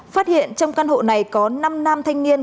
phát hiện trong căn hộ này có năm nam thanh niên